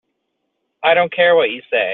I don't care what you say.